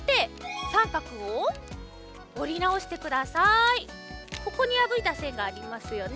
こんどねこのここにやぶいたせんがありますよね。